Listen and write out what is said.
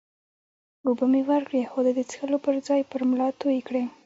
اوبه مې ورکړې، خو ده د څښلو پر ځای پر ملا توی کړې.